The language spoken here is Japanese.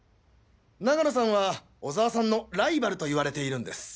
永野さんは小沢さんのライバルと言われているんです。